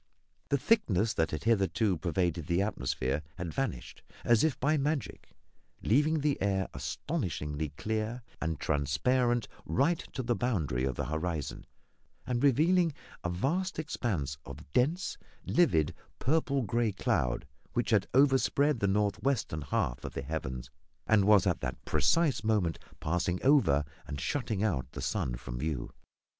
The thickness that had hitherto pervaded the atmosphere had vanished, as if by magic, leaving the air astonishingly clear and transparent right to the boundary of the horizon, and revealing a vast expanse of dense, livid, purple grey cloud, which had overspread the north western half of the heavens, and was at the precise moment passing over and shutting out the sun from view.